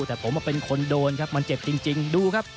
แต่ผมเป็นคนโดนครับมันเจ็บจริงดูครับ